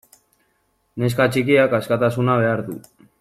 Neska txikiak askatasuna behar du.